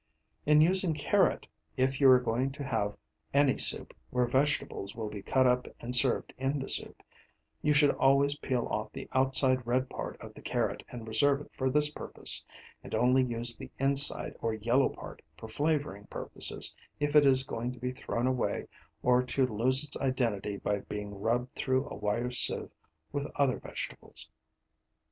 In using carrot, if you are going to have any soup where vegetables will be cut up and served in the soup, you should always peel off the outside red part of the carrot and reserve it for this purpose, and only use the inside or yellow part for flavouring purposes if is going to be thrown away or to lose its identity by being rubbed through a wire sieve with other vegetables.